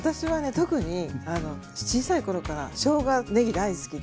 特に小さい頃からしょうが・ねぎ大好きで。